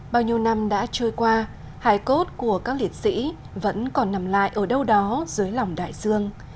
bao nhiêu năm đã trôi qua hài cốt của các liệt sĩ vẫn còn nằm lại ở đâu đó dưới lòng đại dương